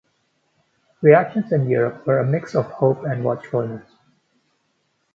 Reactions in Europe were "a mix of hope and watchfulness".